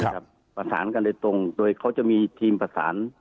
ประสานกันโดยตรงโดยเขาจะมีทีมประสาน